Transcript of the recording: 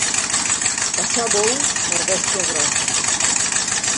Passar bou per bèstia grossa.